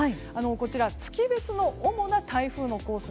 こちら、月別の主な台風のコース